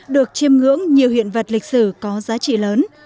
được chiêm ngưỡng nhiều hiện vật lịch sử có giá trị lớn